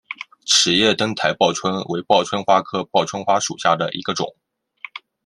齿叶灯台报春为报春花科报春花属下的一个种。